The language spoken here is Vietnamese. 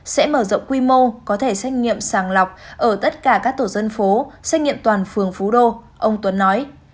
sẽ mở rộng quy mô có thể xét nghiệm sàng lọc ở tất cả các tổ dân phố xét nghiệm toàn phường phú đô ông tuấn nói